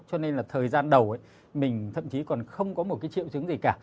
cho nên là thời gian đầu mình thậm chí còn không có một cái triệu chứng gì cả